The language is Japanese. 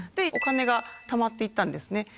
お金がたまっていったんですね。